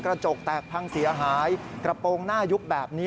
กระจกแตกพังเสียหายกระโปรงหน้ายุบแบบนี้